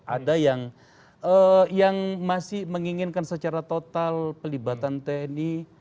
ada yang masih menginginkan secara total pelibatan tni